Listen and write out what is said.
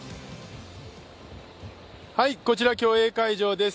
こちら競泳会場です。